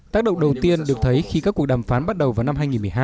tác động đầu tiên được thấy khi các cuộc đàm phán bắt đầu vào năm hai nghìn một mươi hai